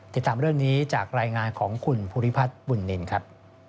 ติดตามเรื่องนี้จากรายงานของคุณภูริพัฒน์บุญนินครับ